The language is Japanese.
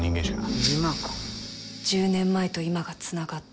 １０年前と今がつながった。